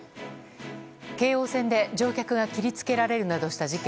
京王線で乗客が切りつけられるなどした事件。